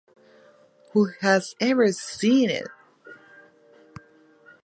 Who has ever seen it?